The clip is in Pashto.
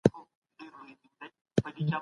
موږ په ګډه کار کوو